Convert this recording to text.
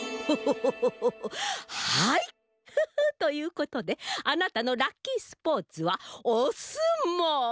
フフッということであなたのラッキースポーツはおすもう！